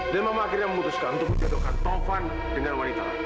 dan mama akhirnya memutuskan untuk menjatuhkan tofan dengan wanita